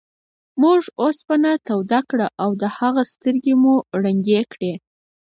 موږ اوسپنه توده کړه او د هغه سترګې مو ړندې کړې.